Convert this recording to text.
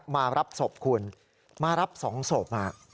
มารับศพคุณมารับสองศพมา